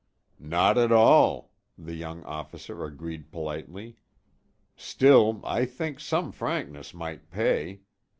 "Not at all," the young officer agreed politely. "Still I think some frankness might pay.